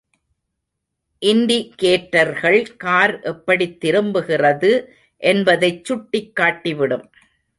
இன்டி.கேட்டர்கள் car எப்படித் திரும்புகிறது என்பதைச் சுட்டிக் காட்டிவிடும்.